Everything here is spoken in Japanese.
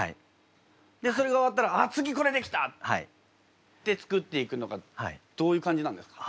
でそれが終わったらあ次これ出来た！って作っていくのかどういう感じなんですか？